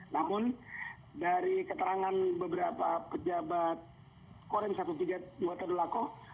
namun dari keterangan beberapa pejabat korem satu ratus tiga puluh dua tadulako